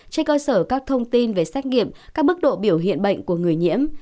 trên cơ sở các thông tin về xét nghiệm các mức độ biểu hiện bệnh của người nhiễm